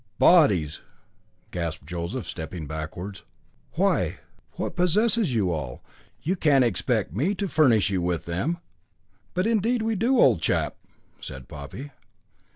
"Bodies!" gasped Joseph, stepping backwards. "Why, what possesses you all? You can't expect me to furnish you with them." "But, indeed, we do, old chap," said Poppy.